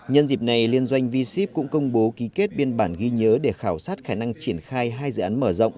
nhân dịp này liên doanh v ship cũng công bố ký kết biên bản ghi nhớ để khảo sát khả năng triển khai hai dự án mở rộng